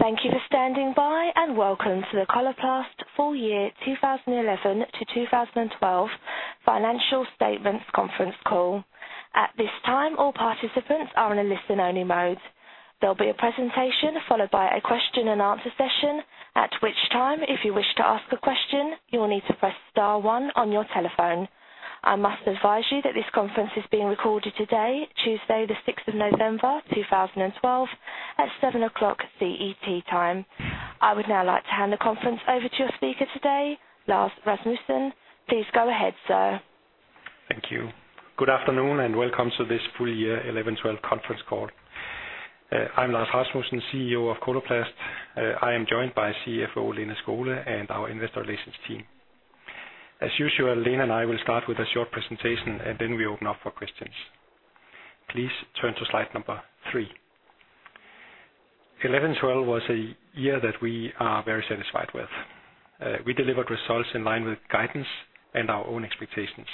Thank you for standing by, welcome to the Coloplast full year 2011 to 2012 financial statements conference call. At this time, all participants are in a listen-only mode. There'll be a presentation, followed by a question-and-answer session, at which time, if you wish to ask a question, you will need to press star one on your telephone. I must advise you that this conference is being recorded today, Tuesday, November 6th, 2012, at 7:00 A.M. CET. I would now like to hand the conference over to your speaker today, Lars Rasmussen. Please go ahead, sir. Thank you. Good afternoon, welcome to this full year 2011/2012 conference call. I'm Lars Rasmussen, CEO of Coloplast. I am joined by CFO Lene Skole and our investor relations team. As usual, Lene and I will start with a short presentation, then we open up for questions. Please turn to slide number three. Eleven/2012 was a year that we are very satisfied with. We delivered results in line with guidance and our own expectations.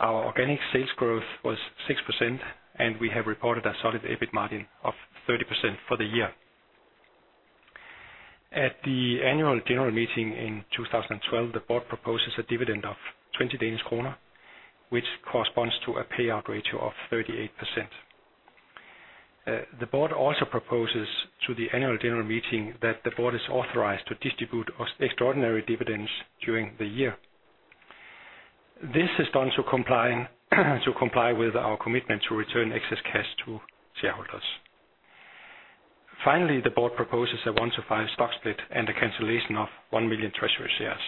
Our organic sales growth was 6%, we have reported a solid EBIT margin of 30% for the year. At the annual general meeting in 2012, the board proposes a dividend of 20 Danish kroner, which corresponds to a payout ratio of 38%. The board also proposes to the annual general meeting that the board is authorized to distribute ex-extraordinary dividends during the year. This is done to comply with our commitment to return excess cash to shareholders. The board proposes a 1-to-5 stock split and a cancellation of 1 million treasury shares.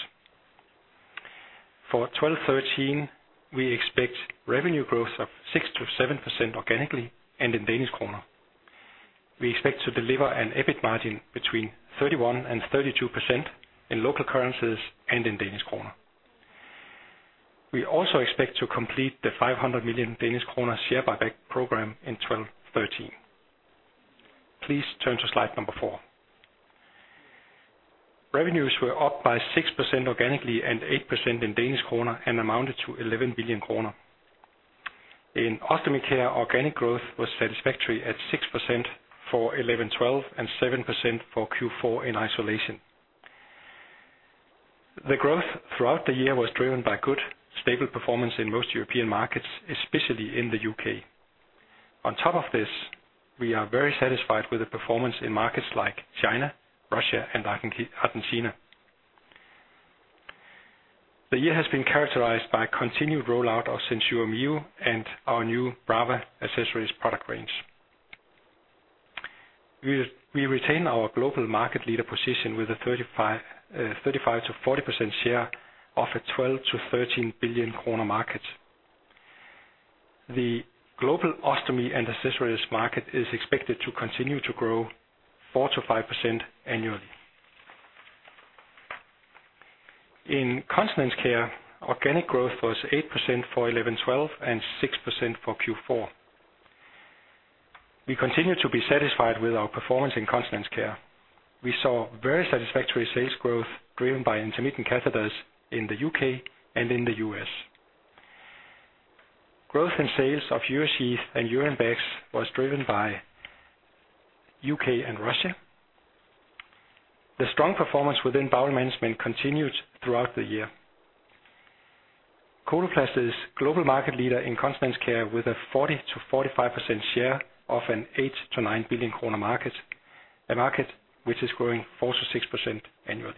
For 2012/2013, we expect revenue growth of 6%-7% organically and in DKK. We expect to deliver an EBIT margin between 31% and 32% in local currencies and in DKK. We also expect to complete the 500 million Danish kroner share buyback program in 2012/2013. Please turn to slide number four. Revenues were up by 6% organically and 8% in DKK, and amounted to 11 billion kroner. In Ostomy Care, organic growth was satisfactory at 6% for 2011/2012, and 7% for Q4 in isolation. The growth throughout the year was driven by good, stable performance in most European markets, especially in the U.K. On top of this, we are very satisfied with the performance in markets like China, Russia, and Argentina. The year has been characterized by continued rollout of SenSura Mio and our new Brava accessories product range. We retain our global market leader position with a 35%-40% share of a 12 billion-13 billion kroner market. The global Ostomy and accessories market is expected to continue to grow 4%-5% annually. In Continence Care, organic growth was 8% for 2011/2012 and 6% for Q4. We continue to be satisfied with our performance in Continence Care. We saw very satisfactory sales growth driven by intermittent catheters in the U.K. and in the U.S. Growth in sales of Conveen and urine bags was driven by U.K. and Russia. The strong performance within bowel management continued throughout the year. Coloplast is global market leader in Continence Care, with a 40%-45% share of a 8 billion-9 billion kroner market, a market which is growing 4%-6% annually.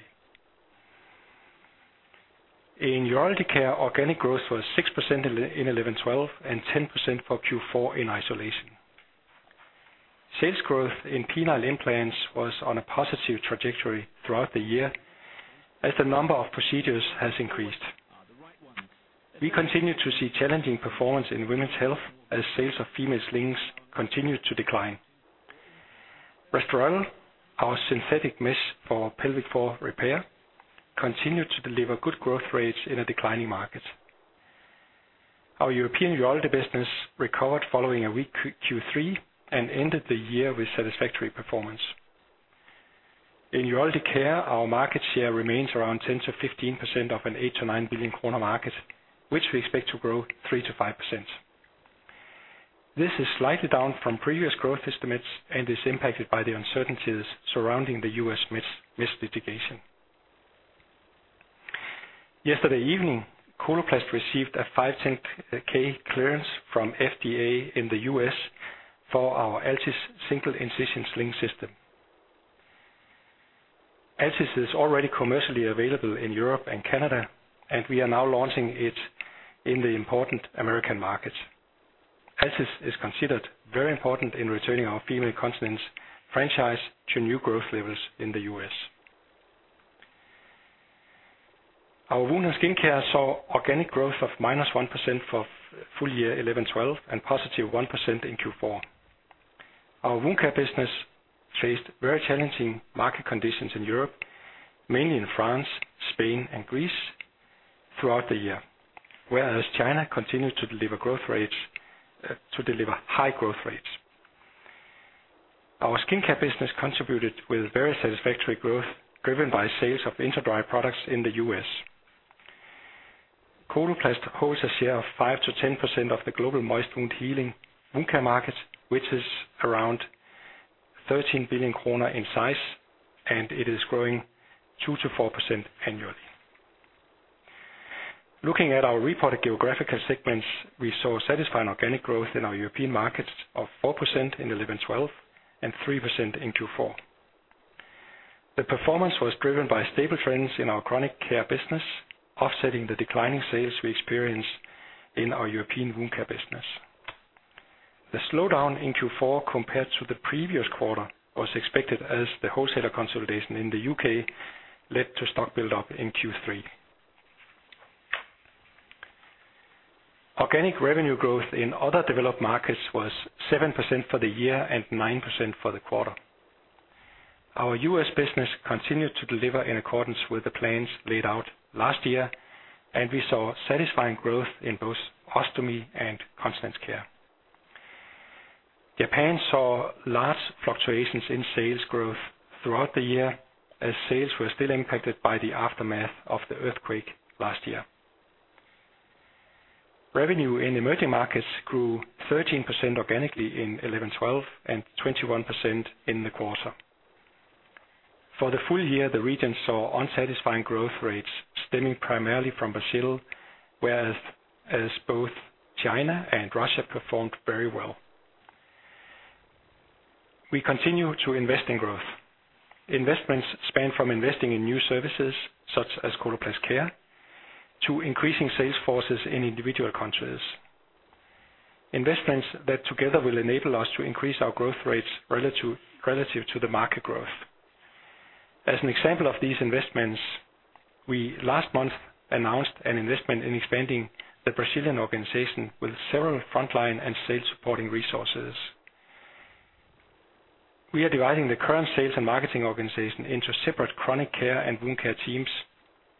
In Interventional Urology, organic growth was 6% in 2011/2012, and 10% for Q4 in isolation. Sales growth in penile implants was on a positive trajectory throughout the year, as the number of procedures has increased. We continue to see challenging performance in women's health, as sales of female slings continue to decline. Restorelle, our synthetic mesh for pelvic floor repair, continued to deliver good growth rates in a declining market. Our European urology business recovered following a weak Q3 and ended the year with satisfactory performance. In Interventional Urology, our market share remains around 10%-15% of a 8 billion-9 billion kroner market, which we expect to grow 3%-5%. This is slightly down from previous growth estimates and is impacted by the uncertainties surrounding the U.S. mesh litigation. Yesterday evening, Coloplast received a 510(k) clearance from FDA in the U.S. for our Altis Single Incision Sling System. Altis is already commercially available in Europe and Canada, and we are now launching it in the important American market. Altis is considered very important in returning our female continents franchise to new growth levels in the U.S. Our Wound & Skin Care saw organic growth of -1% for full year 2011/2012, and +1% in Q4. Our Wound Care business faced very challenging market conditions in Europe, mainly in France, Spain, and Greece throughout the year, whereas China continued to deliver high growth rates. Our Skin Care business contributed with very satisfactory growth, driven by sales of InterDry products in the U.S. Coloplast holds a share of 5%-10% of the global moist wound healing wound care market, which is around 13 billion kroner in size, and it is growing 2%-4% annually. Looking at our reported geographical segments, we saw a satisfying organic growth in our European markets of 4% in 2011/2012, and 3% in Q4. The performance was driven by stable trends in our chronic care business, offsetting the declining sales we experienced in our European Wound Care business. The slowdown in Q4 compared to the previous quarter was expected as the wholesaler consolidation in the U.K. led to stock build-up in Q3. Organic revenue growth in other developed markets was 7% for the year and 9% for the quarter. Our U.S. business continued to deliver in accordance with the plans laid out last year. We saw satisfying growth in both Ostomy and Continence Care. Japan saw large fluctuations in sales growth throughout the year as sales were still impacted by the aftermath of the earthquake last year. Revenue in emerging markets grew 13% organically in 2011/2012 and 21% in the quarter. For the full year, the region saw unsatisfying growth rates stemming primarily from Brazil, whereas both China and Russia performed very well. We continue to invest in growth. Investments span from investing in new services such as Coloplast Care, to increasing sales forces in individual countries. Investments that together will enable us to increase our growth rates relative to the market growth. As an example of these investments, we last month announced an investment in expanding the Brazilian organization with several frontline and sales supporting resources. We are dividing the current sales and marketing organization into separate Chronic Care and Wound Care teams,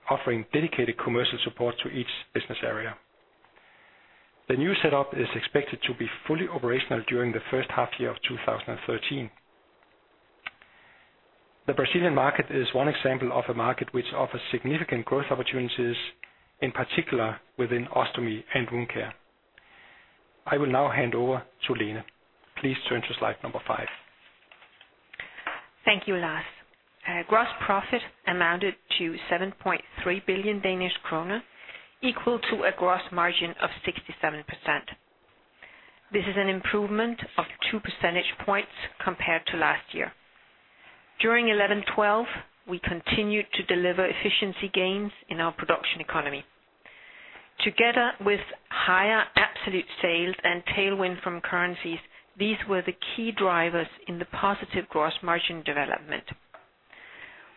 offering dedicated commercial support to each business area. The new setup is expected to be fully operational during the first half year of 2013. The Brazilian market is one example of a market which offers significant growth opportunities, in particular within Ostomy and Wound Care. I will now hand over to Lene. Please turn to slide number five. Thank you, Lars. Gross profit amounted to 7.3 billion Danish kroner, equal to a gross margin of 67%. This is an improvement of 2 percentage points compared to last year. During 2011/2012, we continued to deliver efficiency gains in our production economy. Together with higher absolute sales and tailwind from currencies, these were the key drivers in the positive gross margin development.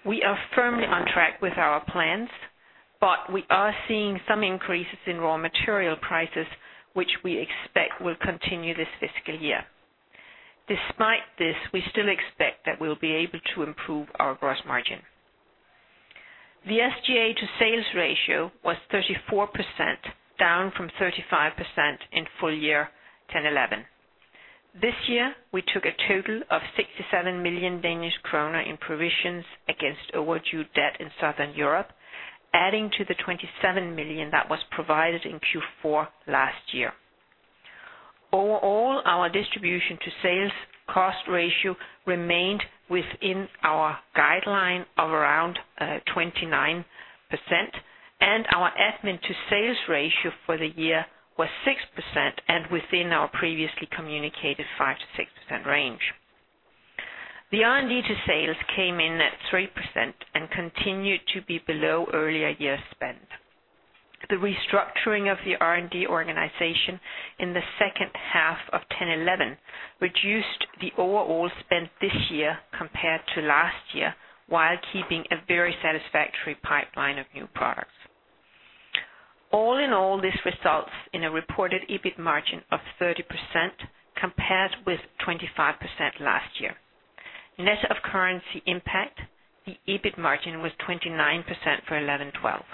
We are firmly on track with our plans, but we are seeing some increases in raw material prices, which we expect will continue this fiscal year. Despite this, we still expect that we'll be able to improve our gross margin. The SGA to sales ratio was 34%, down from 35% in full year 2010/2011. This year, we took a total of 67 million Danish kroner in provisions against overdue debt in Southern Europe, adding to the 27 million that was provided in Q4 last year. Overall, our distribution to sales cost ratio remained within our guideline of around 29%, and our admin to sales ratio for the year was 6%, and within our previously communicated 5%-6% range. The R&D to sales came in at 3% and continued to be below earlier year spend. The restructuring of the R&D organization in the second half of 2010/2011, reduced the overall spend this year compared to last year, while keeping a very satisfactory pipeline of new products. All in all, this results in a reported EBIT margin of 30%, compared with 25% last year. Net of currency impact, the EBIT margin was 29% for 2011/2012.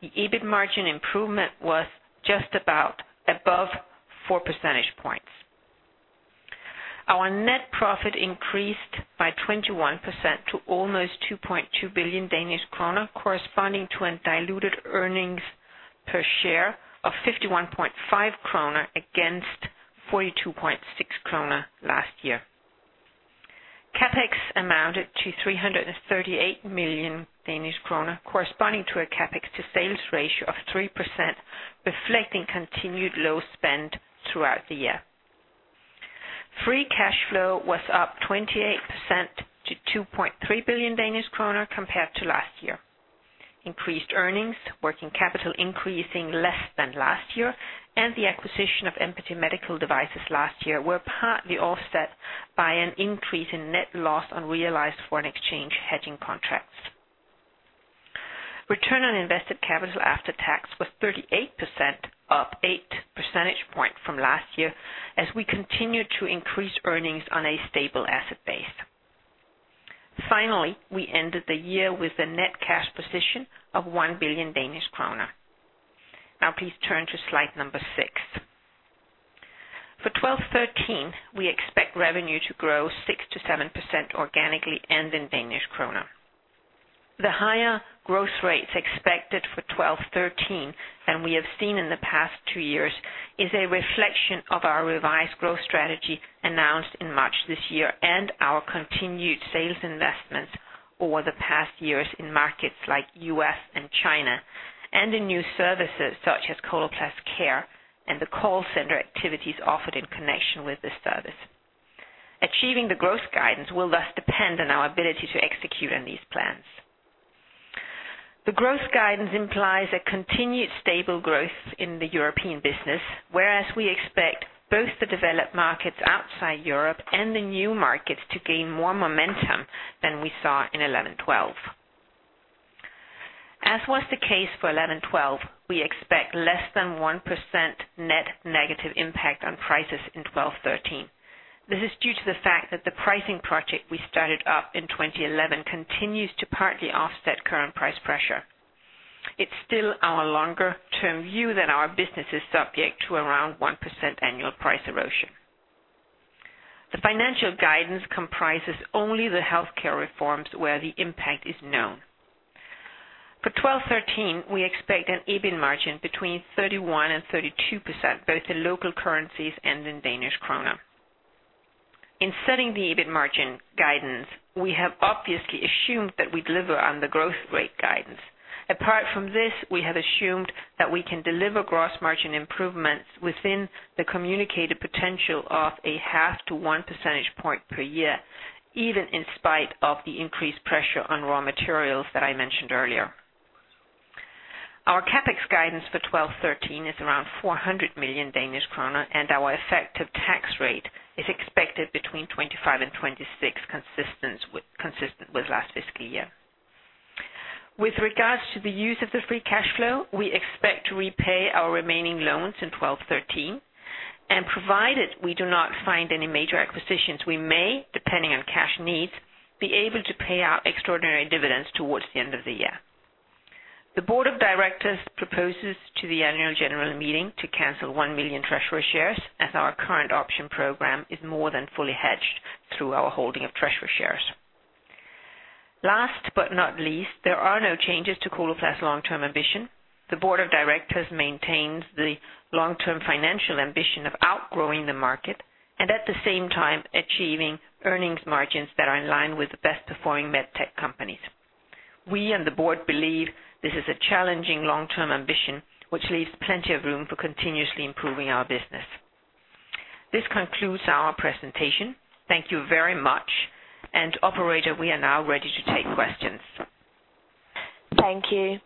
The EBIT margin improvement was just about above 4 percentage points. Our net profit increased by 21% to almost 2.2 billion Danish kroner, corresponding to a diluted earnings per share of 51.5 kroner against 42.6 kroner last year. CapEx amounted to 338 million Danish kroner, corresponding to a CapEx to sales ratio of 3%, reflecting continued low spend throughout the year. Free cash flow was up 28% to 2.3 billion Danish kroner compared to last year. Increased earnings, working capital increasing less than last year, and the acquisition of Mpathy Medical Devices last year, were partly offset by an increase in net loss on realized foreign exchange hedging contracts. Return on invested capital after tax was 38%, up 8 percentage points from last year, as we continued to increase earnings on a stable asset base. We ended the year with a net cash position of 1 billion Danish kroner. Please turn to slide six. 2021/2013, we expect revenue to grow 6%-7% organically and in DKK. The higher growth rates expected for 2012/ 2013, and we have seen in the past 2 years, is a reflection of our revised growth strategy announced in March this year, and our continued sales investments over the past years in markets like U.S. and China, and in new services such as Coloplast Care and the call center activities offered in connection with this service. Achieving the growth guidance will thus depend on our ability to execute on these plans. The growth guidance implies a continued stable growth in the European business, whereas we expect both the developed markets outside Europe and the new markets to gain more momentum than we saw in 2011/2012. As was the case for 2011/2012, we expect less than 1% net negative impact on prices in 2012/2013. This is due to the fact that the pricing project we started up in 2011 continues to partly offset current price pressure. It's still our longer term view that our business is subject to around 1% annual price erosion. The financial guidance comprises only the healthcare reforms where the impact is known. For 2012/2013, we expect an EBIT margin between 31% and 32%, both in local currencies and in Danish kroner. In setting the EBIT margin guidance, we have obviously assumed that we deliver on the growth rate guidance. Apart from this, we have assumed that we can deliver gross margin improvements within the communicated potential of a 0.5-1 percentage point per year, even in spite of the increased pressure on raw materials that I mentioned earlier. Our CapEx guidance for 2012/2013 is around 400 million Danish kroner, and our effective tax rate is expected between 25%-26%, consistent with last fiscal year. With regards to the use of the free cash flow, we expect to repay our remaining loans in 2012/2013, and provided we do not find any major acquisitions, we may, depending on cash needs, be able to pay out extraordinary dividends towards the end of the year. The board of directors proposes to the annual general meeting to cancel 1 million treasury shares, as our current option program is more than fully hedged through our holding of treasury shares. Last but not least, there are no changes to Coloplast's long-term ambition. The board of directors maintains the long-term financial ambition of outgrowing the market and at the same time achieving earnings margins that are in line with the best performing medtech companies. We and the board believe this is a challenging long-term ambition, which leaves plenty of room for continuously improving our business. This concludes our presentation. Thank you very much. Operator, we are now ready to take questions. Thank you.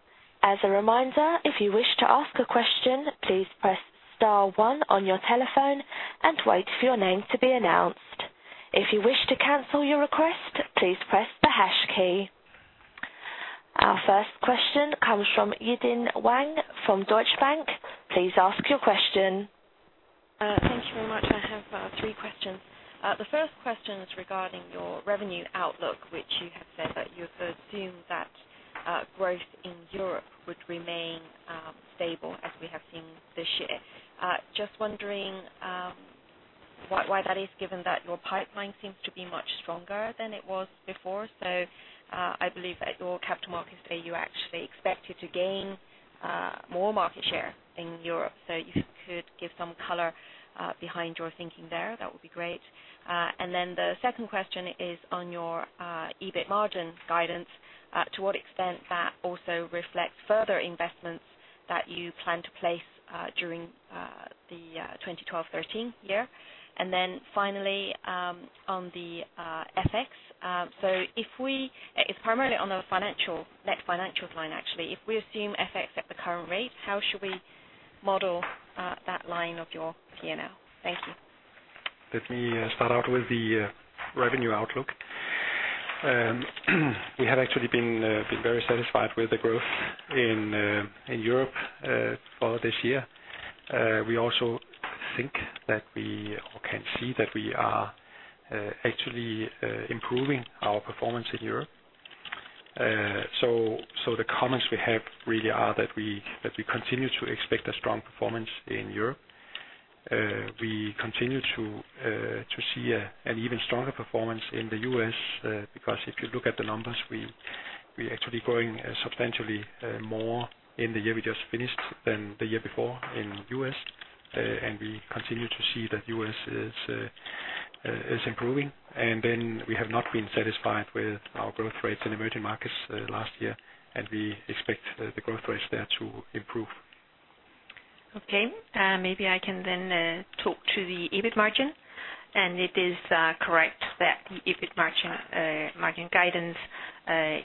As a reminder, if you wish to ask a question, please press star one on your telephone and wait for your name to be announced. If you wish to cancel your request, please press the hash key. Our first question comes from Yi-De Wang from Deutsche Bank. Please ask your question. Thank you very much. I have three questions. The first question is regarding your revenue outlook, which you have said that you assume that growth in Europe would remain stable, as we have seen this year. Just wondering why that is, given that your pipeline seems to be much stronger than it was before. I believe at your capital markets day, you actually expected to gain more market share in Europe. If you could give some color behind your thinking there, that would be great. The second question is on your EBIT margin guidance. To what extent that also reflects further investments that you plan to place during the 2012/2013 year? Finally, on the FX. If we, it's primarily on the financial, net financial line, actually, if we assume FX at the current rate, how should we model that line of your P&L? Thank you. Let me start out with the revenue outlook. We have actually been very satisfied with the growth in Europe for this year. We also think that we can see that we are actually improving our performance in Europe. The comments we have really are that we continue to expect a strong performance in Europe. We continue to see an even stronger performance in the U.S., because if you look at the numbers, we actually growing substantially more in the year we just finished than the year before in U.S. We continue to see that U.S. is improving. We have not been satisfied with our growth rates in emerging markets last year, and we expect the growth rates there to improve. Okay. maybe I can then talk to the EBIT margin. It is correct that the EBIT margin guidance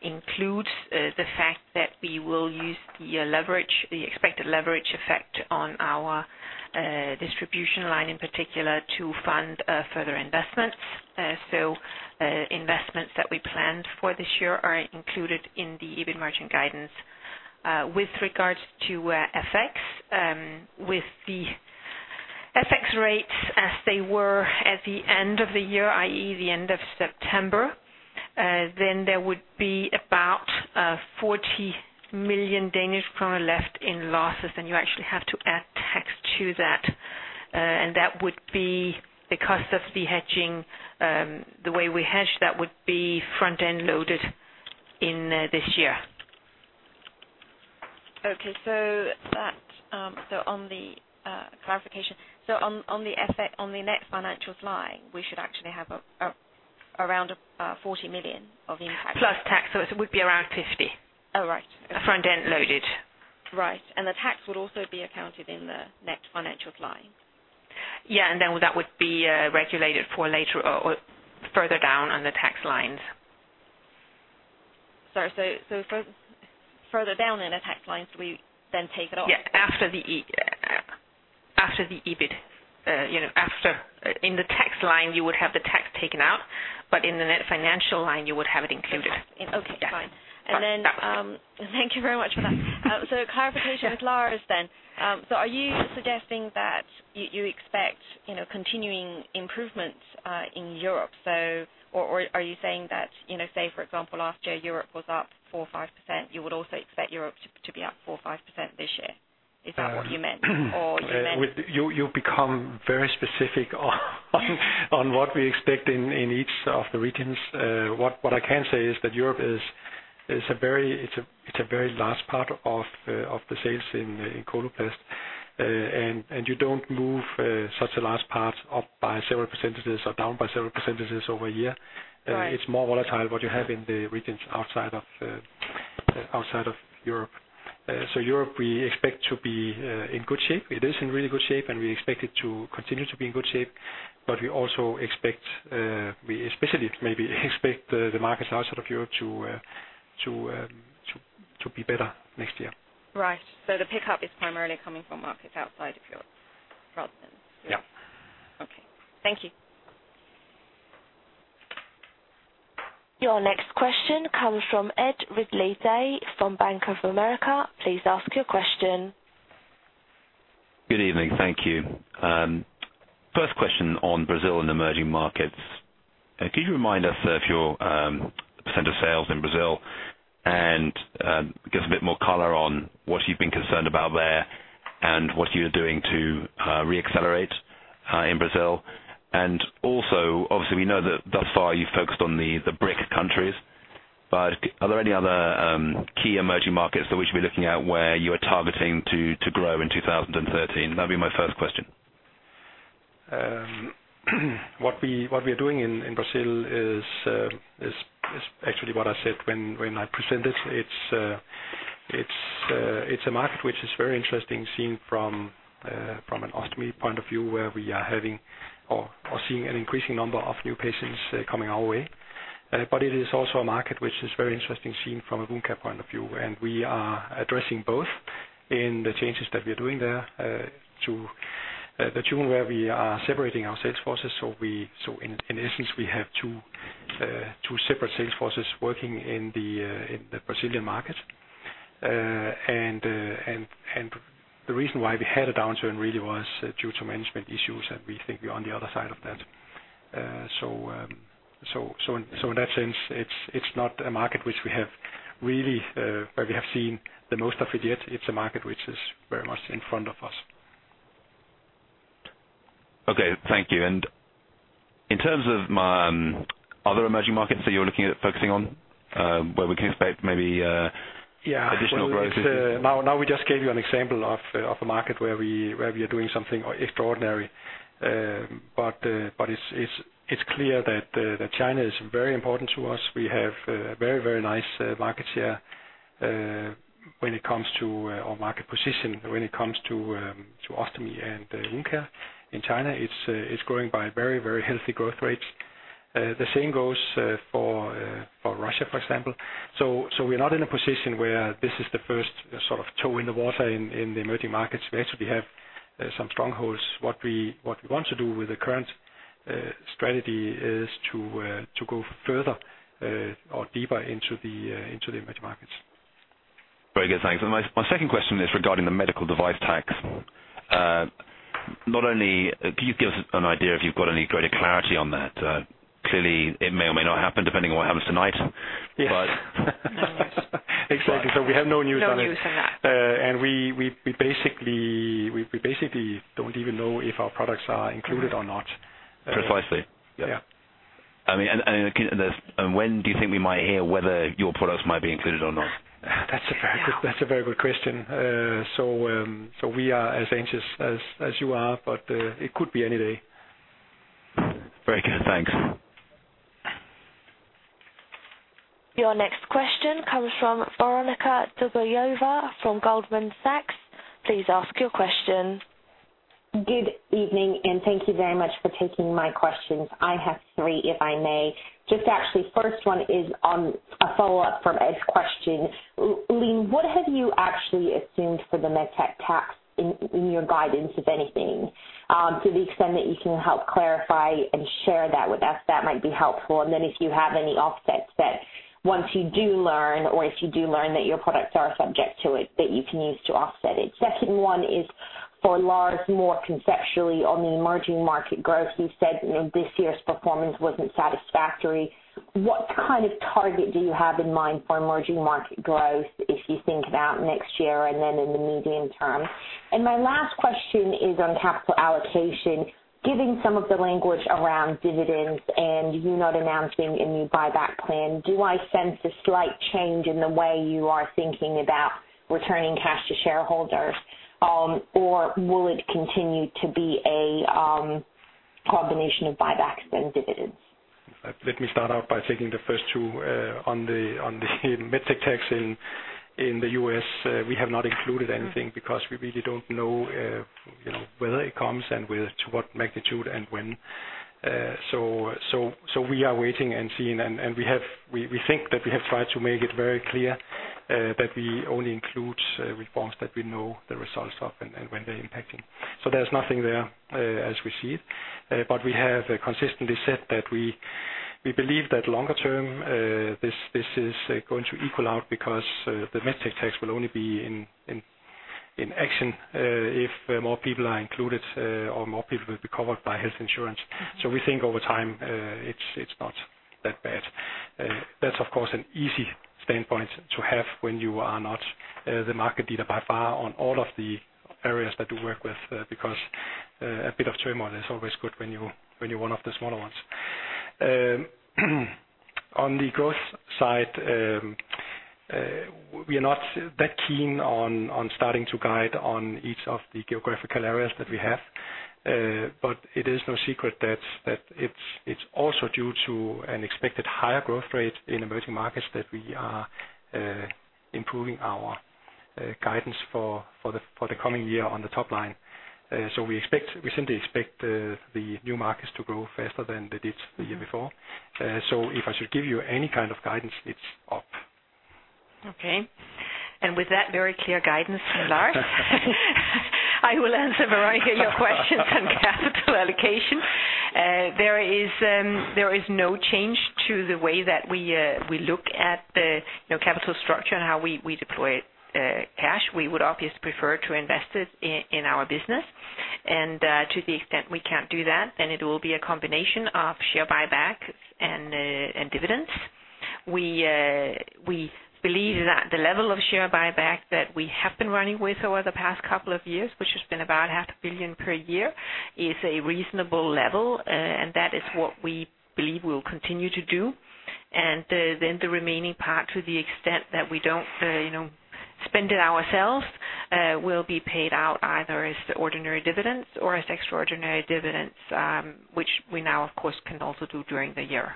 includes the fact that we will use the leverage, the expected leverage effect on our distribution line, in particular to fund further investments. Investments that we planned for this year are included in the EBIT margin guidance. With regards to FX, with the FX rates as they were at the end of the year, i.e., the end of September, then there would be about 40 million Danish kroner left in losses, and you actually have to add tax to that. That would be the cost of the hedging. The way we hedge, that would be front-end loaded in this year. Okay. That, so on the clarification. On the effect, on the net financials line, we should actually have around 40 million of impact. Plus tax, so it would be around 50. Oh, right. Front-end loaded. Right. The tax would also be accounted in the net financial line? That would be regulated for later or further down on the tax lines. Sorry, further down in the tax lines, we then take it off? Yeah. After the EBIT, you know, In the tax line, you would have the tax taken out, but in the net financial line, you would have it included. Okay, fine. Yeah. Thank you very much for that. Clarification with Lars then. Are you suggesting that you expect, you know, continuing improvements in Europe? Or are you saying that, you know, say, for example, last year, Europe was up 4% or 5%, you would also expect Europe to be up 4% or 5% this year? Is that what you meant? You become very specific on what we expect in each of the regions. What I can say is that Europe is a very large part of the sales in Coloplast. You don't move such a large part up by several % or down by several % over a year. Right. It's more volatile, what you have in the regions outside of Europe. Europe, we expect to be in good shape. It is in really good shape, and we expect it to continue to be in good shape. We also expect, we especially maybe expect the markets outside of Europe to be better next year. Right. The pickup is primarily coming from markets outside of Europe rather than. Yeah. Okay. Thank you. Your next question comes from Ed Ridley-Day from Bank of America. Please ask your question. Good evening. Thank you. First question on Brazil and emerging markets. Can you remind us of your percent of sales in Brazil? Give us a bit more color on what you've been concerned about there and what you're doing to reaccelerate in Brazil. Also, obviously, we know that thus far, you've focused on the BRIC countries. Are there any other key emerging markets that we should be looking at, where you are targeting to grow in 2013? That'd be my first question. What we are doing in Brazil is actually what I said when I presented. It's a market which is very interesting, seen from an Ostomy point of view, where we are having or seeing an increasing number of new patients coming our way. It is also a market which is very interesting, seen from a wound care point of view, and we are addressing both in the changes that we are doing there, to the tune where we are separating our sales forces. In essence, we have two separate sales forces working in the Brazilian market. The reason why we had a downturn really was due to management issues, and we think we're on the other side of that. In that sense, it's not a market which we have really, where we have seen the most of it yet. It's a market which is very much in front of us. Okay. Thank you. In terms of other emerging markets that you're looking at focusing on, where we can expect maybe? Yeah. Additional growth? Now, we just gave you an example of a market where we, where we are doing something extraordinary. It's, it's clear that China is very important to us. We have very, very nice market share, when it comes to, or market position, when it comes to Ostomy and Wound Care. In China, it's growing by very, very healthy growth rates. The same goes for Russia, for example. We're not in a position where this is the first sort of toe in the water in the emerging markets. We actually have some strongholds. What we, what we want to do with the current strategy is to go further or deeper into the emerging markets. Very good. Thanks. My second question is regarding the medical device tax. Can you give us an idea if you've got any greater clarity on that? Clearly, it may or may not happen, depending on what happens tonight. Yes. But- Exactly. We have no news on it. No news on that. We basically don't even know if our products are included or not. Precisely. Yeah. I mean, when do you think we might hear whether your products might be included or not? That's a very good question. We are as anxious as you are, but, it could be any day. Very good. Thanks. Your next question comes from Veronika Dubajova from Goldman Sachs. Please ask your question. Good evening. Thank you very much for taking my questions. I have three, if I may. Just actually, first one is on a follow-up from Ed's question. Lene, what have you actually assumed for the medtech tax in your guidance, if anything? To the extent that you can help clarify and share that with us, that might be helpful. If you have any offsets that once you do learn, or if you do learn that your products are subject to it, that you can use to offset it. Second one is for Lars, more conceptually on the emerging market growth. You said, you know, this year's performance wasn't satisfactory. What kind of target do you have in mind for emerging market growth if you think about next year and then in the medium term? My last question is on capital allocation. Given some of the language around dividends and you not announcing a new buyback plan, do I sense a slight change in the way you are thinking about returning cash to shareholders, or will it continue to be a combination of buybacks and dividends? Let me start out by taking the first two. On the medtech tax in the U.S., we have not included anything because we really don't know, you know, whether it comes to what magnitude and when. So we are waiting and seeing, and we think that we have tried to make it very clear that we only include reforms that we know the results of and when they're impacting. There's nothing there, as we see it. We have consistently said that we believe that longer term, this is going to equal out because the medtech tax will only be in action if more people are included, or more people will be covered by health insurance. We think over time, it's not that bad. That's, of course, an easy standpoint to have when you are not, the market leader by far on all of the areas that you work with, because, a bit of turmoil is always good when you, when you're one of the smaller ones. On the growth side, we are not that keen on starting to guide on each of the geographical areas that we have. It is no secret that it's also due to an expected higher growth rate in emerging markets that we are, improving our, guidance for the, for the coming year on the top line. We simply expect the new markets to grow faster than they did the year before. If I should give you any kind of guidance, it's up. Okay. With that very clear guidance, Lars, I will answer, Veronica, your questions on capital allocation. There is no change to the way that we look at the, you know, capital structure and how we deploy cash. We would obviously prefer to invest it in our business, and to the extent we can't do that, then it will be a combination of share buyback and dividends. We believe that the level of share buyback that we have been running with over the past two years, which has been about 0.5 billion per year, is a reasonable level, and that is what we believe we'll continue to do. Then the remaining part, to the extent that we don't, you know, spend it ourselves, will be paid out either as ordinary dividends or as extraordinary dividends, which we now, of course, can also do during the year.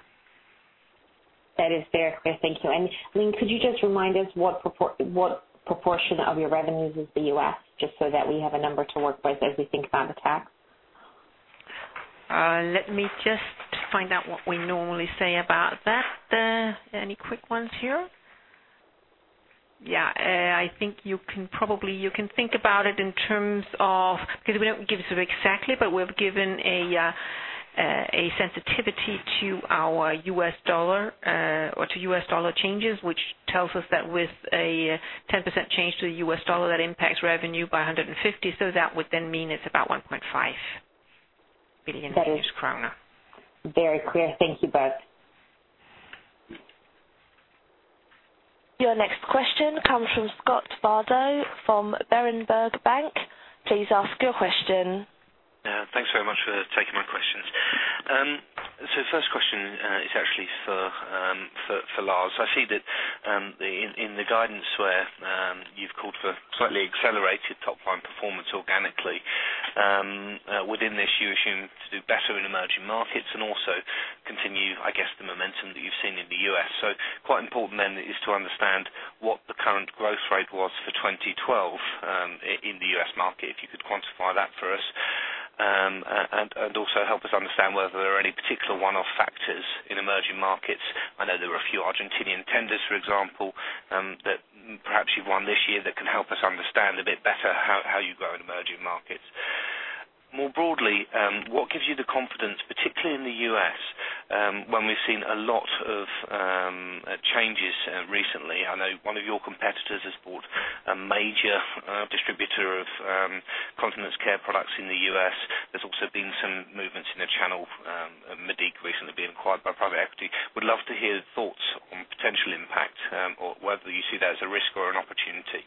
That is very clear. Thank you. I mean, could you just remind us what proportion of your revenues is the U.S., just so that we have a number to work with as we think about the tax? Let me just find out what we normally say about that. Any quick ones here? Yeah, I think you can think about it in terms of... Because we don't give it so exactly, but we've given a sensitivity to our U.S. dollar or to U.S. dollar changes, which tells us that with a 10% change to the U.S. dollar, that impacts revenue by 150. That would then mean it's about 1.5 billion Danish kroner. Very clear. Thank you both. Your next question comes from Scott Bardo from Berenberg Bank. Please ask your question. Yeah, thanks very much for taking my questions. The first question is actually for Lars. I see that in the guidance where you've called for slightly accelerated top-line performance organically. Within this, you assume to do better in emerging markets and also continue, I guess, the momentum that you've seen in the U.S. Quite important then, is to understand what the current growth rate was for 2012 in the U.S. market. If you could quantify that for us, and also help us understand whether there are any particular one-off factors in emerging markets. I know there were a few Argentinian tenders, for example, that perhaps you've won this year, that can help us understand a bit better how you grow in emerging markets. More broadly, what gives you the confidence, particularly in the U.S., when we've seen a lot of changes recently? I know one of your competitors has bought a major distributor of continence care products in the U.S. There's also been some movements in the channel, Mediq recently being acquired by private equity. Would love to hear your thoughts on potential impact, or whether you see that as a risk or an opportunity.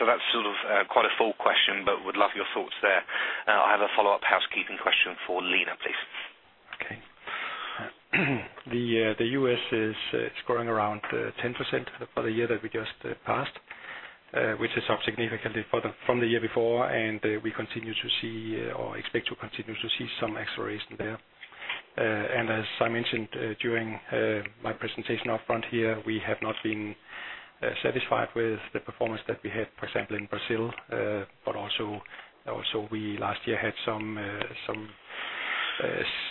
That's sort of quite a full question, but would love your thoughts there. I have a follow-up housekeeping question for Lene, please. Okay. The U.S. is growing around 10% for the year that we just passed, which is up significantly from the year before, and we continue to see or expect to continue to see some acceleration there. As I mentioned, during my presentation up front here, we have not been satisfied with the performance that we had, for example, in Brazil, but also we last year had some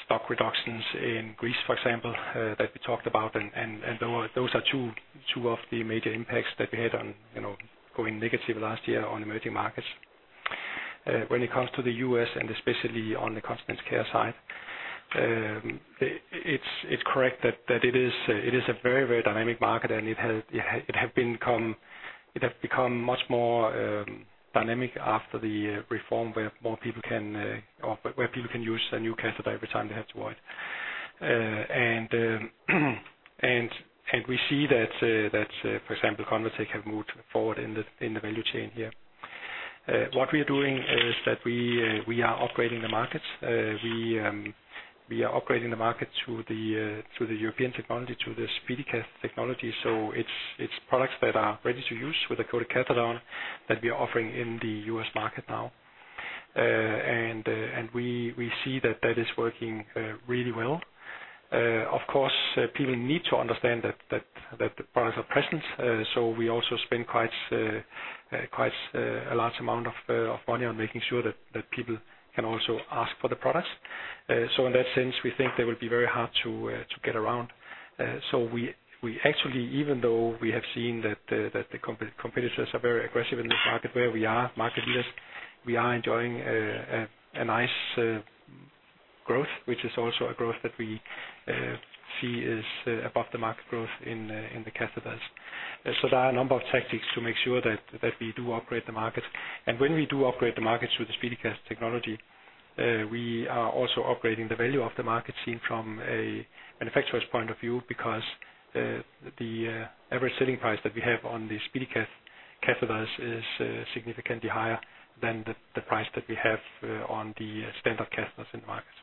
stock reductions in Greece, for example, that we talked about. Those are two of the major impacts that we had on, you know, going negative last year on emerging markets. When it comes to the U.S., and especially on the Continence Care side. It's correct that it is a very dynamic market, and it has become much more dynamic after the reform, where more people can, or where people can use a new catheter every time they have to watch. We see that, for example, Convatec have moved forward in the value chain here. What we are doing is that we are upgrading the markets. We are upgrading the market to the European technology, to the SpeediCath technology. It's products that are ready to use with a coated catheter that we are offering in the U.S. market now. We, we see that that is working really well. Of course, people need to understand that the products are present. We also spend quite a large amount of money on making sure that people can also ask for the products. In that sense, we think they will be very hard to get around. We, we actually, even though we have seen that the competitors are very aggressive in this market, where we are market leaders, we are enjoying a nice growth, which is also a growth that we see is above the market growth in the catheters. There are a number of tactics to make sure that we do upgrade the markets. When we do upgrade the markets with the SpeediCath technology, we are also upgrading the value of the market, seen from a manufacturer's point of view, because the average selling price that we have on the SpeediCath catheters is significantly higher than the price that we have on the standard catheters in the market.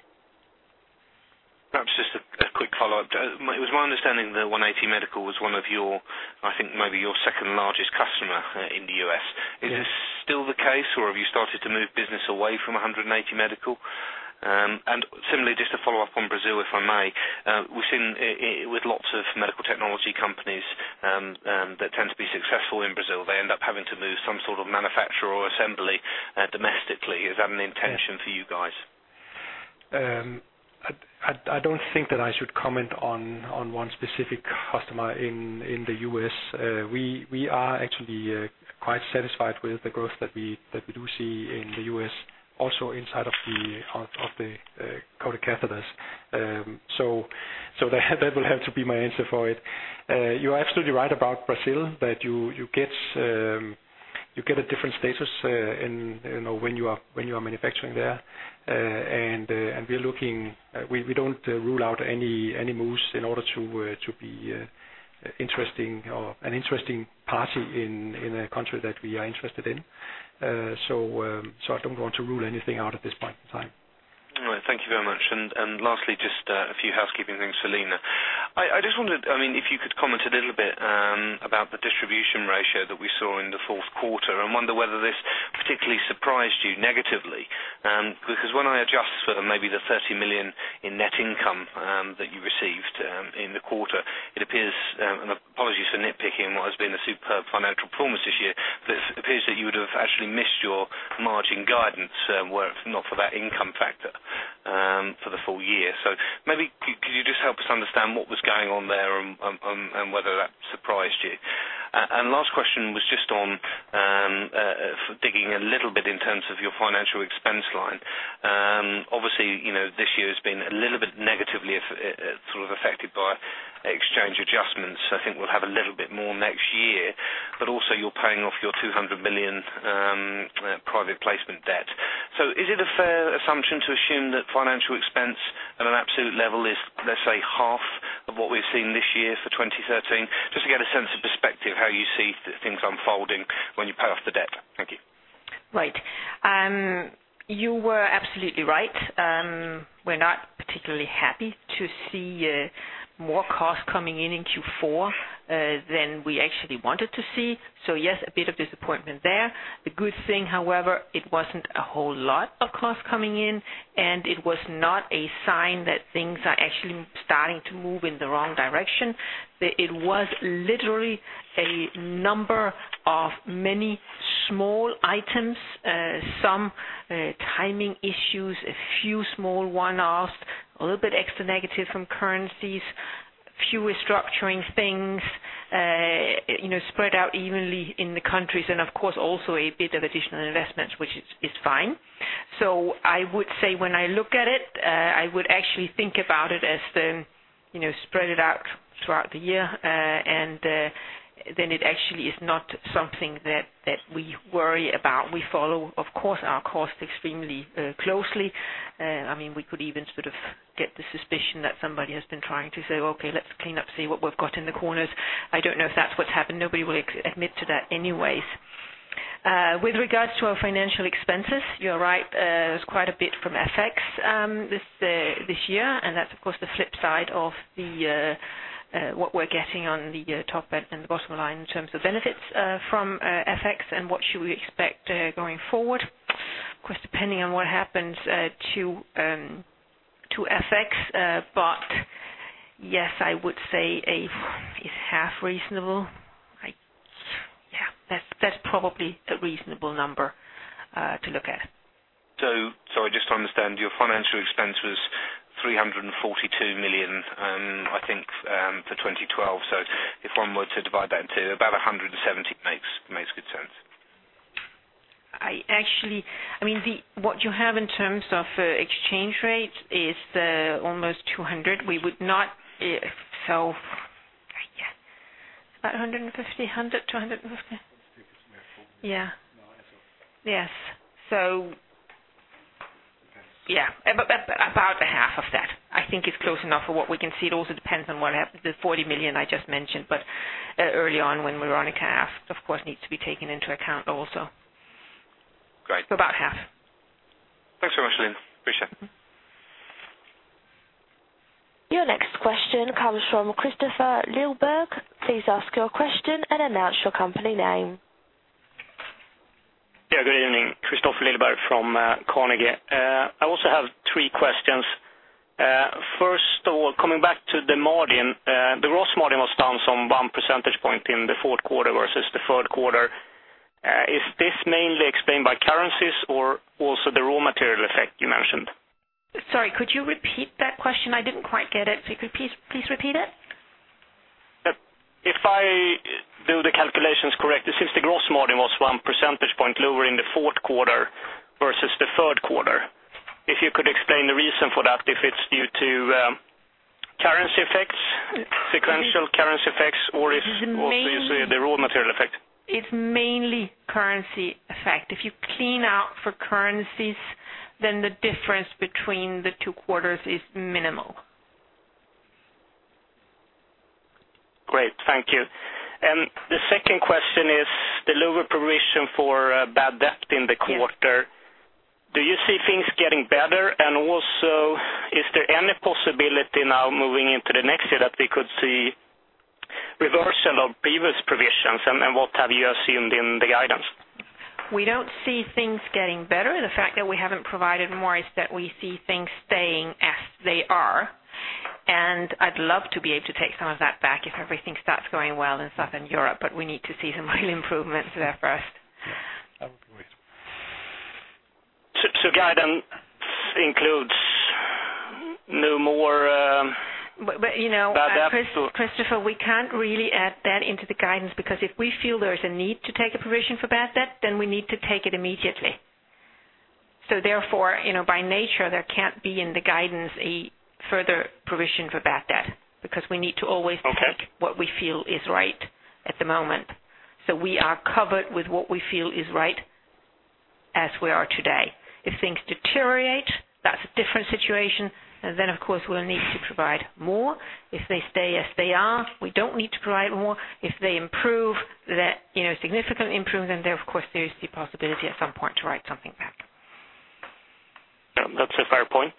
Perhaps just a quick follow-up. It was my understanding that 180 Medical was one of your, I think, maybe your second largest customer in the U.S. Yes. Is this still the case, or have you started to move business away from 180 Medical? Similarly, just to follow up on Brazil, if I may, we've seen with lots of medical technology companies that tend to be successful in Brazil. They end up having to move some sort of manufacturer or assembly domestically. Is that an intention for you guys? I don't think that I should comment on one specific customer in the U.S. We are actually quite satisfied with the growth that we do see in the U.S., also inside of the coated catheters. That will have to be my answer for it. You're absolutely right about Brazil, that you get a different status, in, you know, when you are manufacturing there. We don't rule out any moves in order to be interesting or an interesting party in a country that we are interested in. I don't want to rule anything out at this point in time. All right. Thank you very much. Lastly, just a few housekeeping things for Lene. I just wondered, I mean, if you could comment a little bit about the distribution ratio that we saw in the fourth quarter. I wonder whether this particularly surprised you negatively, because when I adjust for maybe the 30 million in net income that you received in the quarter, it appears, and apologies for nitpicking what has been a superb financial performance this year, but it appears that you would have actually missed your margin guidance were it not for that income factor for the full year. Maybe could you just help us understand what was going on there and whether that surprised you? Last question was just on digging a little bit in terms of your financial expense line. Obviously, you know, this year has been a little bit negatively affected by exchange adjustments. I think we'll have a little bit more next year, but also you're paying off your 200 million private placement debt. Is it a fair assumption to assume that financial expense at an absolute level is, let's say, half of what we've seen this year for 2013? Just to get a sense of perspective, how you see things unfolding when you pay off the debt. Thank you. Right. You were absolutely right. We're not particularly happy to see more costs coming in in Q4 than we actually wanted to see. Yes, a bit of disappointment there. The good thing, however, it wasn't a whole lot of costs coming in, and it was not a sign that things are actually starting to move in the wrong direction. It was literally a number of many small items, some timing issues, a few small one-offs, a little bit extra negative from currencies, few restructuring things, you know, spread out evenly in the countries and of course, also a bit of additional investments, which is fine. I would say, when I look at it, I would actually think about it as the, you know, spread it out throughout the year, and then it actually is not something that we worry about. We follow, of course, our cost extremely closely. I mean, we could even sort of get the suspicion that somebody has been trying to say: "Okay, let's clean up, see what we've got in the corners." I don't know if that's what's happened. Nobody will admit to that anyways. With regards to our financial expenses, you're right. There's quite a bit from FX this year, and that's, of course, the flip side of the what we're getting on the top and the bottom line in terms of benefits from FX and what should we expect going forward. Of course, depending on what happens to FX. Yes, I would say it is half reasonable. Yeah, that's probably a reasonable number to look at. Just to understand, your financial expense was 342 million for 2012. If one were to divide that into about 170, makes good sense? I actually, I mean, the what you have in terms of exchange rates is almost 200. We would not, about 150, 100, 200. Yeah. Yes. About the half of that, I think is close enough for what we can see. It also depends on what happened, the 40 million I just mentioned, but early on, when we were on a half, of course, needs to be taken into account also. Great. About half. Thanks so much, Lene. Appreciate it. Your next question comes from Kristofer Liljeberg. Please ask your question and announce your company name. Yeah, good evening, Kristofer Liljeberg from Carnegie. I also have three questions. First of all, coming back to the margin, the gross margin was down some 1 percentage point in the fourth quarter versus the third quarter. Is this mainly explained by currencies or also the raw material effect you mentioned? Sorry, could you repeat that question? I didn't quite get it. Could you please repeat it? Yep. If I do the calculations correct, since the gross margin was 1 percentage point lower in the fourth quarter versus the third quarter, if you could explain the reason for that, if it's due to currency effects, sequential currency effects, or if also the raw material effect? It's mainly currency effect. If you clean out for currencies, then the difference between the two quarters is minimal. Great, thank you. The second question is the lower provision for bad debt in the quarter. Yes. Do you see things getting better? Also, is there any possibility now moving into the next year that we could see reversal of previous provisions, and what have you assumed in the guidance? We don't see things getting better. The fact that we haven't provided more is that we see things staying as they are, and I'd love to be able to take some of that back if everything starts going well in Southern Europe, but we need to see some real improvements there first. Guidance includes no more bad debt? You know, Kristofer, we can't really add that into the guidance because if we feel there's a need to take a provision for bad debt, then we need to take it immediately. Therefore, you know, by nature, there can't be in the guidance a further provision for bad debt, because we need to- Okay. ...Take what we feel is right at the moment. We are covered with what we feel is right as we are today. If things deteriorate, that's a different situation, then, of course, we'll need to provide more. If they stay as they are, we don't need to provide more. If they improve, that, you know, significantly improve, then there, of course, there is the possibility at some point to write something back. Yeah, that's a fair point.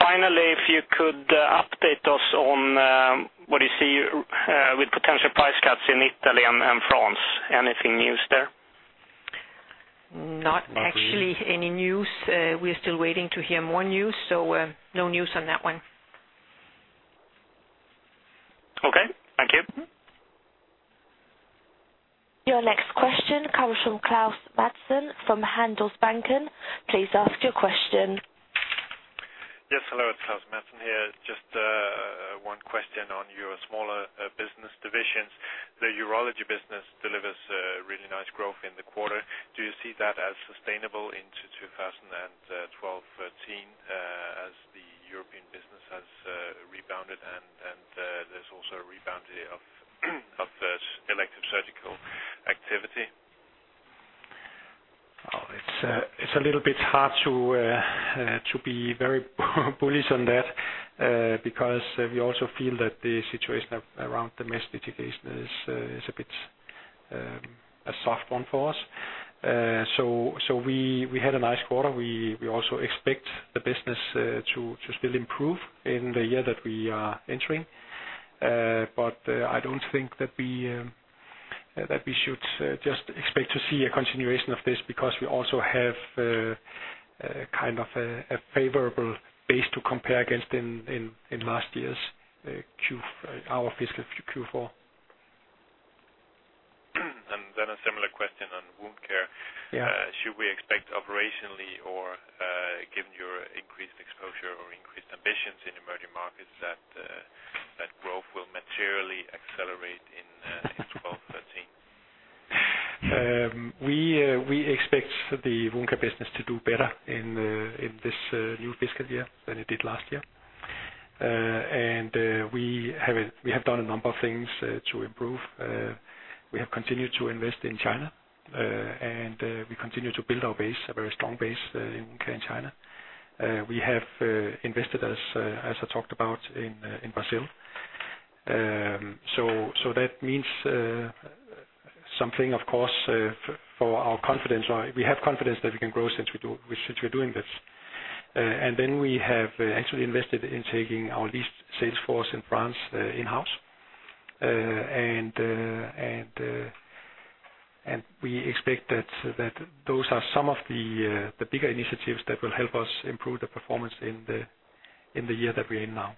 Finally, if you could update us on what you see with potential price cuts in Italy and France. Anything news there? Not actually any news. We're still waiting to hear more news, so, no news on that one. Okay, thank you. Your next question comes from Claes Madsen from Handelsbanken. Please ask your question. Yes, hello, it's Claes Madsen here. Just one question on your smaller business divisions. The urology business delivers really nice growth in the quarter. Do you see that as sustainable into 2012/2013, as the European business has rebounded, and there's also a rebound here of the elective surgical activity? It's a little bit hard to be very bullish on that, because we also feel that the situation around domestic division is a bit a soft one for us. We had a nice quarter. We also expect the business to still improve in the year that we are entering. I don't think that we should just expect to see a continuation of this, because we also have kind of a favorable base to compare against in last year's Q, our fiscal Q4. A similar question on Wound Care. Yeah. Should we expect operationally or, given your increased exposure or increased ambitions in emerging markets, that growth will materially accelerate in 2012/2013? We expect the wound care business to do better in this new fiscal year than it did last year. We have done a number of things to improve. We have continued to invest in China, and we continue to build our base, a very strong base, in China. We have invested, as I talked about in Brazil. That means something, of course, for our confidence. We have confidence that we can grow since we do, since we're doing this. We have actually invested in taking our leased sales force in France in-house. We expect that those are some of the bigger initiatives that will help us improve the performance in the year that we're in now.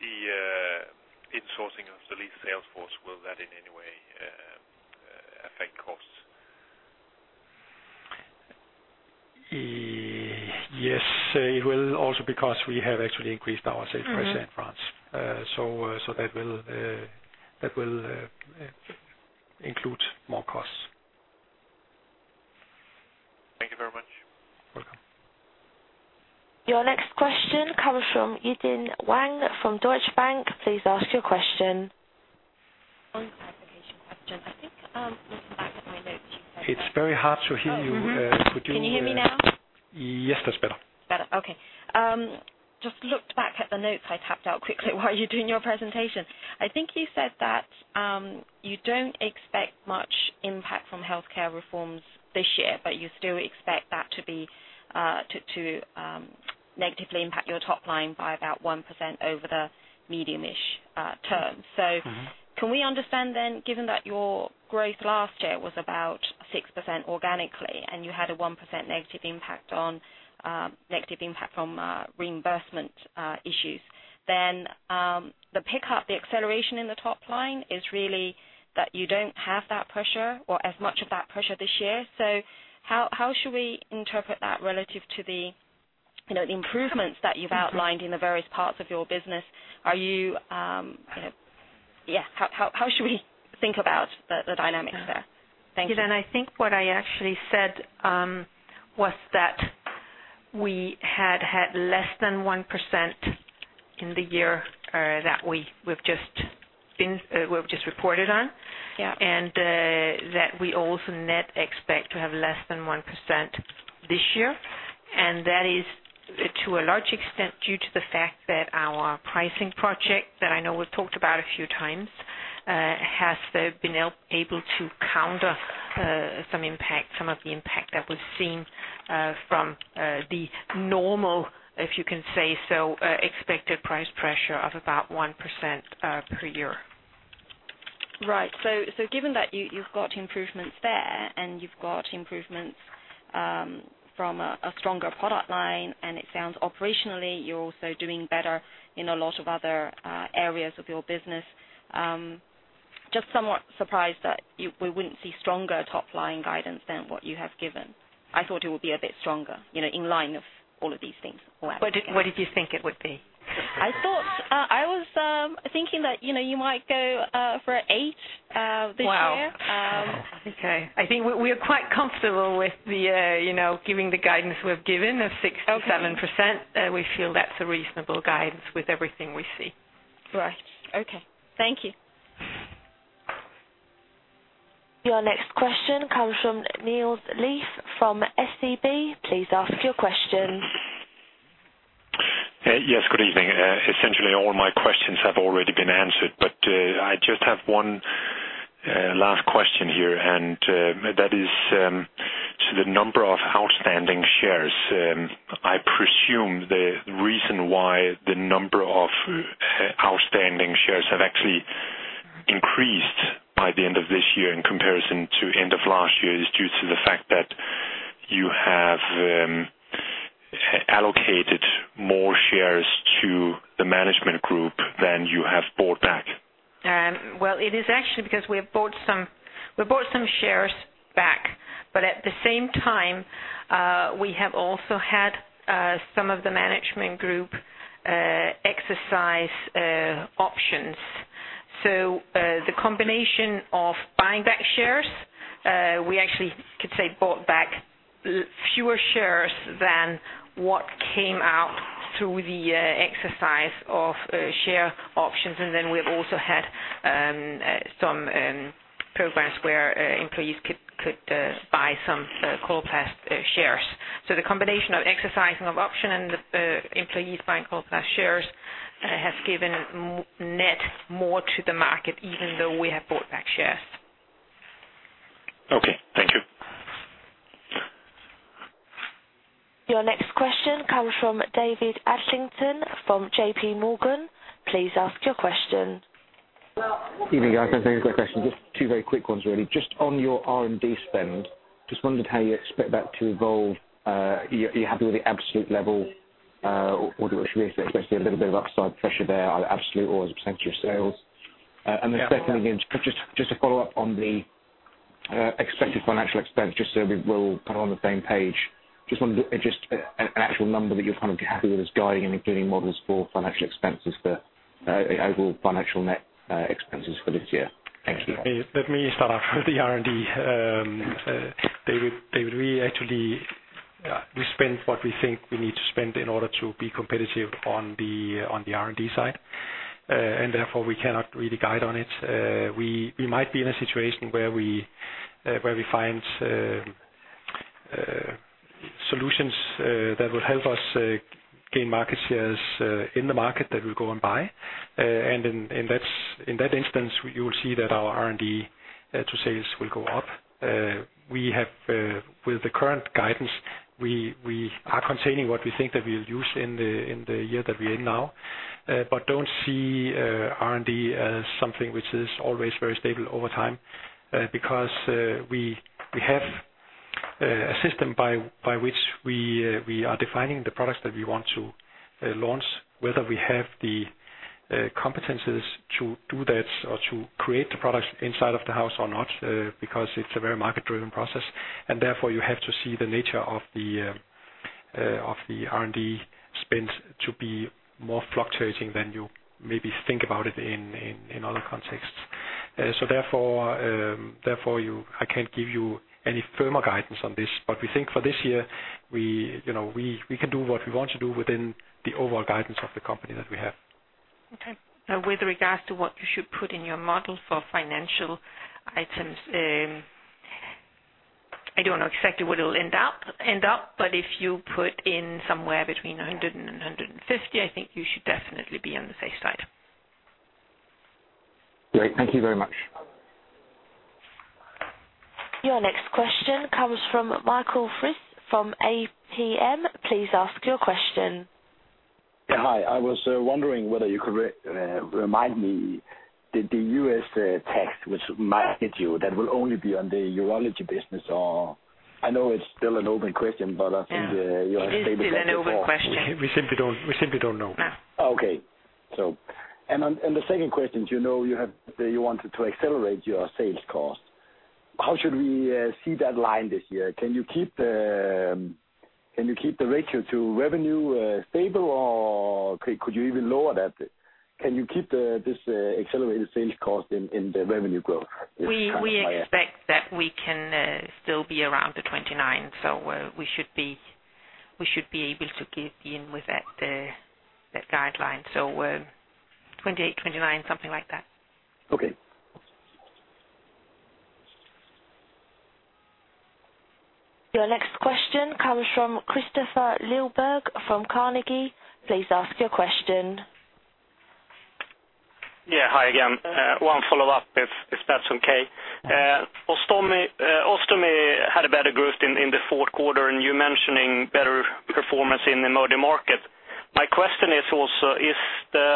The insourcing of the leased sales force, will that in any way affect costs? Yes, it will also because we have actually increased our sales price in France. That will include more costs. Thank you very much. Welcome. Your next question comes from Yi-De Wang from Deutsche Bank. Please ask your question. One clarification question. I think, looking back at my notes, you said- It's very hard to hear you. Can you hear me now? Yes, that's better. Better. Okay. Just looked back at the notes I tapped out quickly while you were doing your presentation. I think you said that, you don't expect much impact from healthcare reforms this year, but you still expect that to be, to negatively impact your top line by about 1% over the medium-ish term. Mm-hmm. Can we understand then, given that your growth last year was about 6% organically, and you had a 1% negative impact from reimbursement issues, then the pickup, the acceleration in the top line is really that you don't have that pressure or as much of that pressure this year. How, how should we interpret that relative to the, you know, the improvements that you've outlined in the various parts of your business? Are you, yeah, how should we think about the dynamics there? Thank you. Yi-De, I think what I actually said, was that we had had less than 1% in the year, that we've just been, we've just reported on. Yeah. That we also net expect to have less than 1% this year. That is to a large extent due to the fact that our pricing project, that I know we've talked about a few times, has been able to counter some impact, some of the impact that was seen from the normal, if you can say so, expected price pressure of about 1% per year. Right. Given that you've got improvements there, and you've got improvements from a stronger product line, and it sounds operationally, you're also doing better in a lot of other areas of your business, just somewhat surprised that we wouldn't see stronger top-line guidance than what you have given. I thought it would be a bit stronger, you know, in line of all of these things. What did you think it would be? I thought, I was thinking that, you know, you might go for 8% this year. Wow! Okay. I think we are quite comfortable with the, you know, giving the guidance we have given of 6%-7%. Okay. We feel that's a reasonable guidance with everything we see. Right. Okay. Thank you. Your next question comes from Niels Granholm-Leth from SEB. Please ask your question. Yes, good evening. Essentially, all my questions have already been answered, but, I just have one last question here. That is, so the number of outstanding shares, I presume the reason why the number of outstanding shares have actually increased by the end of this year in comparison to end of last year, is due to the fact that you have allocated more shares to the management group than you have bought back. Well, it is actually because we have bought some shares back, but at the same time, we have also had some of the management group exercise options. The combination of buying back shares, we actually could say, bought back fewer shares than what came out through the exercise of share options. We've also had some programs where employees could buy some Coloplast shares. The combination of exercising of option and employees buying Coloplast shares has given net more to the market, even though we have bought back shares. Okay, thank you. Your next question comes from David Adlington, from JPMorgan. Please ask your question. Evening, guys. Thank you for the question. Just two very quick ones, really. Just on your R&D spend, just wondered how you expect that to evolve. You, you have the absolute level, or should we expect to see a little bit of upside pressure there, either absolute or as a percent of sales? Secondly, just to follow up on the expected financial expense, just so we're all kind of on the same page, just an actual number that you're kind of happy with as guiding and including models for financial expenses for overall financial net expenses for this year. Thank you. Let me start off with the R&D. David, we actually spend what we think we need to spend in order to be competitive on the R&D side, and therefore, we cannot really guide on it. We might be in a situation where we find solutions that will help us gain market shares in the market that we go and buy. In that instance, you will see that our R&D to sales will go up. We have with the current guidance, we are containing what we think that we'll use in the, in the year that we're in now, but don't see R&D as something which is always very stable over time, because we have a system by which we are defining the products that we want to launch, whether we have the competencies to do that or to create the products inside of the house or not, because it's a very market-driven process, and therefore, you have to see the nature of the of the R&D spend to be more fluctuating than you maybe think about it in, in other contexts. Therefore, therefore, I can't give you any firmer guidance on this. We think for this year, we, you know, we can do what we want to do within the overall guidance of the company that we have. Now, with regards to what you should put in your model for financial items, I don't know exactly where it'll end up, but if you put in somewhere between 100 and 150, I think you should definitely be on the safe side. Great, thank you very much. Your next question comes from Michael Friis from APM. Please ask your question. Yeah, hi. I was wondering whether you could remind me, the U.S. tax, which might hit you, that will only be on the urology business, or I know it's still an open question, but I think. Yeah. You have stated that before. It is still an open question. We simply don't know. No. Okay. The second question, you know, you wanted to accelerate your sales cost. How should we see that line this year? Can you keep the ratio to revenue stable, or could you even lower that? Can you keep this accelerated sales cost in the revenue growth? We expect that we can still be around 29%, so we should be able to get in with that guideline. 28%-29%, something like that. Okay. Your next question comes from Kristofer Liljeberg, from Carnegie. Please ask your question. Yeah, hi again. One follow-up, if that's okay. Ostomy had a better growth in the fourth quarter, and you're mentioning better performance in the emerging market. My question is also, is the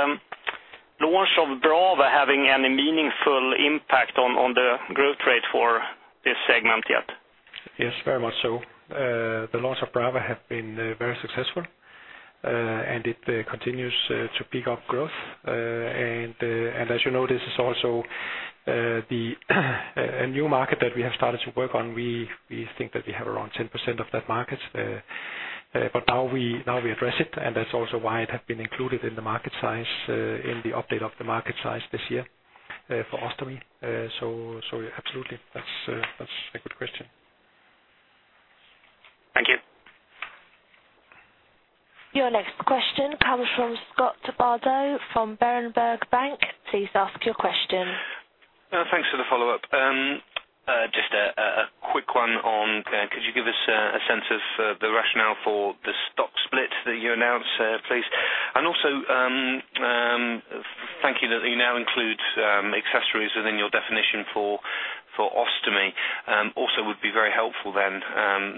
launch of Brava having any meaningful impact on the growth rate for this segment yet? Yes, very much so. The launch of Brava has been very successful. It continues to pick up growth. As you know, this is also the, a new market that we have started to work on. We think that we have around 10% of that market. Now we address it, and that's also why it has been included in the market size, in the update of the market size this year, for Ostomy. Absolutely, that's a good question. Thank you. Your next question comes from Scott Bardo from Berenberg Bank. Please ask your question. Thanks for the follow-up. Just a quick one on, could you give us a sense of the rationale for the stock split that you announced, please? Also, thank you that you now include accessories within your definition for Ostomy. Also would be very helpful then,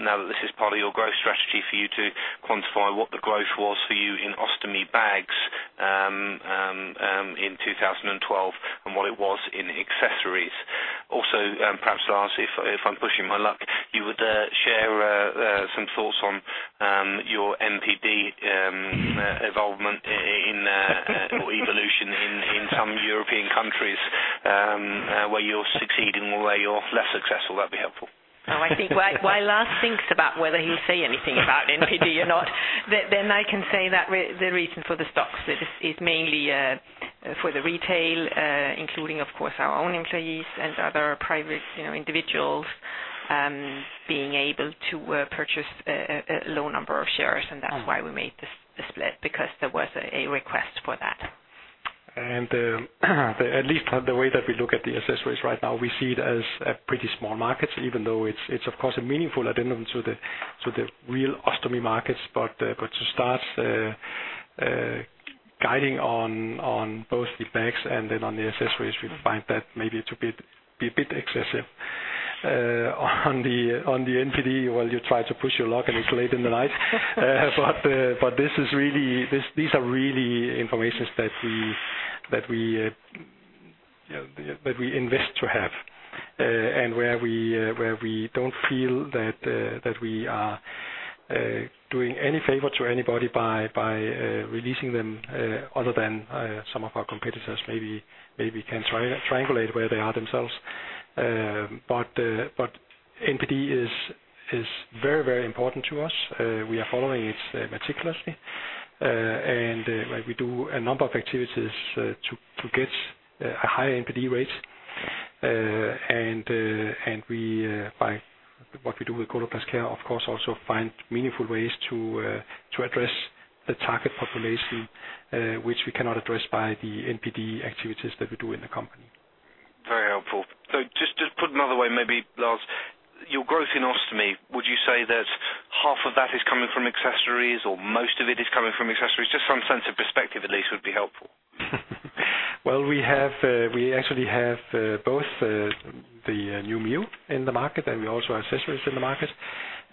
now that this is part of your growth strategy for you to quantify what the growth was for you in Ostomy bags in 2012, and what it was in accessories. Also, perhaps to ask, if I'm pushing my luck, you would share some thoughts on your NPD involvement in or evolution in some European countries, where you're succeeding or where you're less successful, that'd be helpful. I think while Lars thinks about whether he'll say anything about NPD or not, then I can say that the reason for the stock split is mainly for the retail, including, of course, our own employees and other private, you know, individuals, being able to purchase a low number of shares, and that's why we made this the split, because there was a request for that. At least the way that we look at the accessories right now, we see it as a pretty small market, even though it's of course a meaningful addendum to the, to the real Ostomy markets. To start guiding on both the bags and then on the accessories, we find that maybe to be a bit excessive. On the, on the NPD, well, you tried to push your luck, and it's late in the night. This is really, these are really informations that we, that we, you know, that we invest to have. Where we, where we don't feel that we are doing any favor to anybody by releasing them, other than some of our competitors maybe can triangulate where they are themselves. NPD is very important to us. We are following it meticulously, and we do a number of activities to get a high NPD rate. We, by what we do with Coloplast Care, of course, also find meaningful ways to address the target population, which we cannot address by the NPD activities that we do in the company. Very helpful. Just put another way, maybe Lars, your growth in Ostomy, would you say that half of that is coming from accessories, or most of it is coming from accessories? Just some sense of perspective at least, would be helpful. Well, we have, we actually have, both, the, new Mio in the market, and we also have accessories in the market,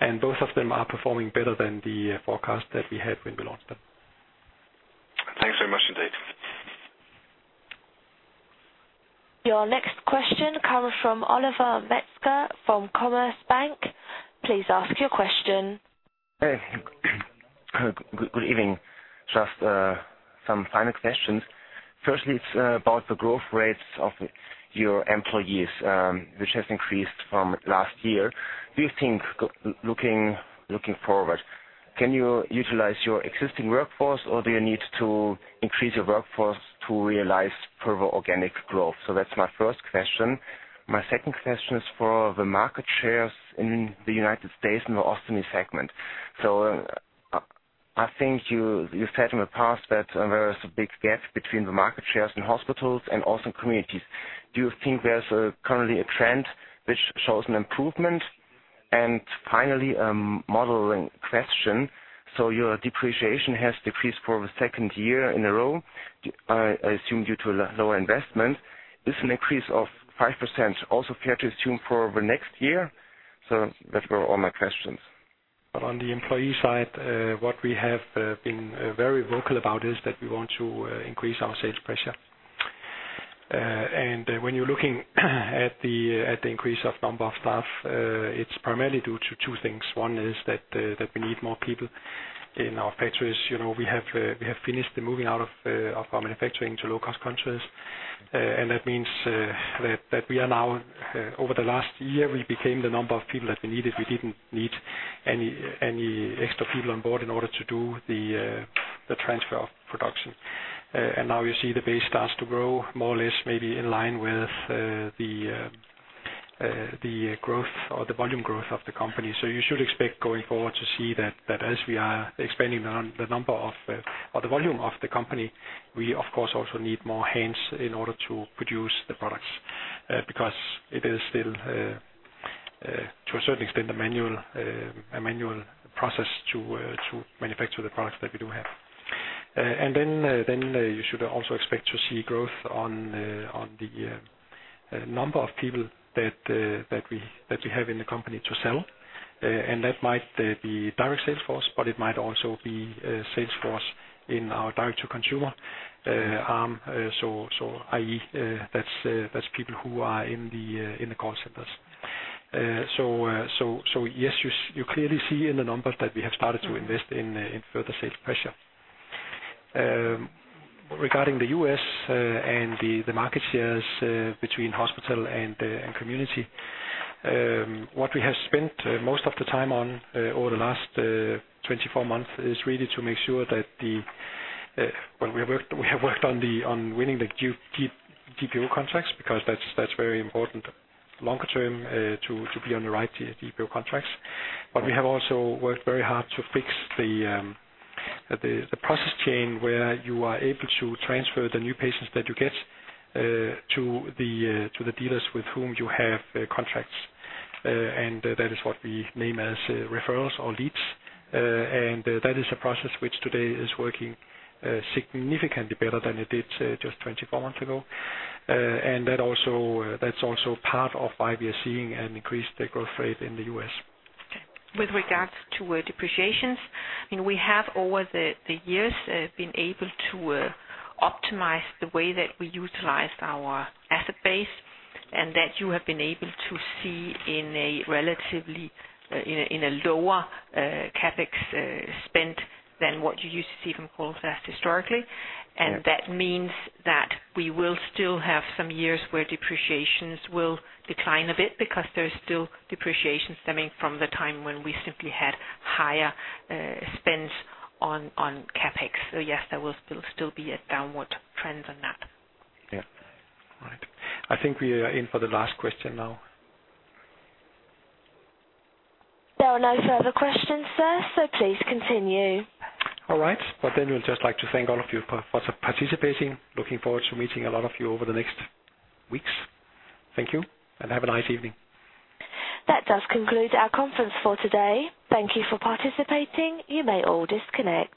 and both of them are performing better than the forecast that we had when we launched them. Thanks very much indeed. Your next question comes from Oliver Metzger from Commerzbank. Please ask your question. Hey, good evening. Just, some final questions. Firstly, it's about the growth rates of your employees, which has increased from last year. Do you think, looking forward, can you utilize your existing workforce, or do you need to increase your workforce to realize further organic growth? That's my first question. My second question is for the market shares in the United States, in the Ostomy segment. I think you said in the past that there is a big gap between the market shares in hospitals and also communities. Do you think there's currently a trend which shows an improvement? Finally, modeling question. Your depreciation has decreased for the second year in a row, I assume, due to lower investment. Is an increase of 5% also fair to assume for the next year? That were all my questions. On the employee side, what we have been very vocal about is that we want to increase our sales pressure. When you're looking at the increase of number of staff, it's primarily due to two things. One is that we need more people in our factories. You know, we have finished the moving out of our manufacturing to low-cost countries. That means that we are now over the last year, we became the number of people that we needed. We didn't need any extra people on board in order to do the transfer of production. Now you see the base starts to grow more or less, maybe in line with the growth or the volume growth of the company. You should expect going forward to see that as we are expanding the number of, or the volume of the company, we of course, also need more hands in order to produce the products, because it is still to a certain extent, a manual process to manufacture the products that we do have. Then you should also expect to see growth on the number of people that we have in the company to sell. That might be direct sales force, but it might also be sales force in our direct-to-consumer arm. So, i.e., that's people who are in the call centers. Yes, you clearly see in the numbers that we have started to invest in further sales pressure. Regarding the U.S. and the market shares between hospital and community, what we have spent most of the time on over the last 24 months is really to make sure that the. Well, we have worked, we have worked on winning the GPO contracts, because that's very important longer term, to be on the right GPO contracts. But we have also worked very hard to fix the process chain, where you are able to transfer the new patients that you get to the dealers with whom you have contracts. And that is what we name as referrals or leads. That is a process which today is working significantly better than it did just 24 months ago. That also, that's also part of why we are seeing an increased growth rate in the U.S. With regards to depreciations, I mean, we have over the years been able to optimize the way that we utilize our asset base, and that you have been able to see in a relatively in a lower CapEx spent than what you used to see from Coloplast historically. That means that we will still have some years where depreciations will decline a bit, because there's still depreciation stemming from the time when we simply had higher spends on CapEx. Yes, there will still be a downward trend on that. Yeah. All right. I think we are in for the last question now. There are no further questions, sir, so please continue. All right. Well, then we would just like to thank all of you for participating. Looking forward to meeting a lot of you over the next weeks. Thank you, and have a nice evening. That does conclude our conference for today. Thank you for participating. You may all disconnect.